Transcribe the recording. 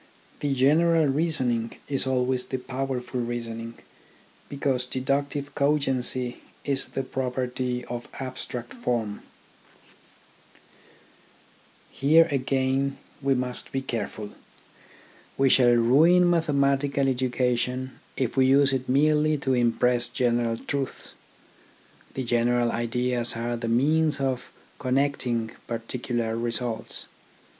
The general reasoning is always the powerful reasoning, because deduc tive cogency is the property. of abstract form. TECHNICAL EDUCATION 47 Here, again, we must be careful. We shall ruin mathematical education if we use it merely to impress general truths. The general ideas are the means of connecting particular results.